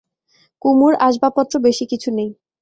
কুমুর আসবাবপত্র বেশি কিছু নেই।